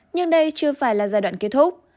nhưng đây chưa phải là giai đoạn kết thúc